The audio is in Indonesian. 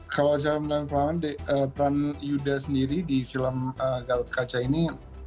kalau cara mendalami peran yudha sendiri di film gatot kaca ini